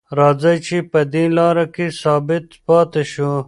راځئ چې په دې لاره کې ثابت پاتې شو.